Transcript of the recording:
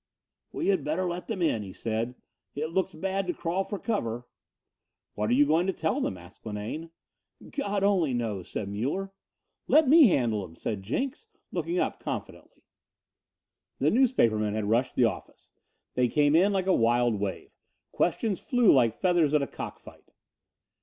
"We had better let them in," he said, "it looks bad to crawl for cover." "What are you going to tell them?" asked Linane. "God only knows," said Muller. "Let me handle them," said Jenks, looking up confidently. The newspapermen had rushed the office. They came in like a wild wave. Questions flew like feathers at a cock fight.